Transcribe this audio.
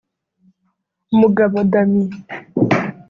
Mugabo Damien